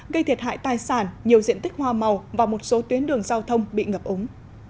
gây thiệt hại tài sản nhiều diện tích hoa màu và một số tuyến đường giao thông bị ngập ống